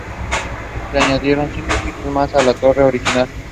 Se añadieron cinco pisos más a la torre original.